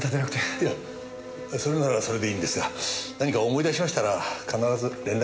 いやそれならそれでいいんですが何か思い出しましたら必ず連絡してください。